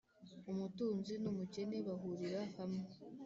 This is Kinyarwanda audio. umutunzi n’umukene bahurira hamwe,